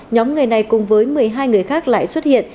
nhóm người này cùng với một mươi hai người khác lại xuất hiện